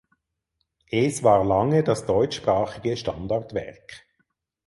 Es war lange das deutschsprachige Standardwerk.